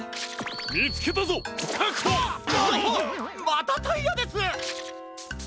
またタイヤです！